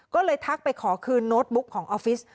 ก็เลยทักไปขอคืนโน้ตบุ๊กของออฟฟิศ